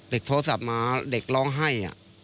โทรศัพท์มาเด็กร้องไห้